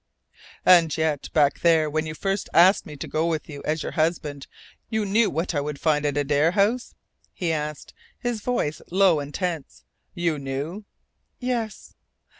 "And yet, back there when you first asked me to go with you as your husband, you knew what I would find at Adare House?" he asked, his voice low and tense. "You knew?" "Yes."